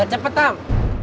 agak cepet am